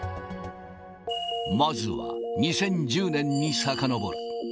まずは、２０１０年にさかのぼる。